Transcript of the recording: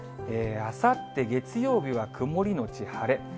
あさって月曜日は曇り後晴れ。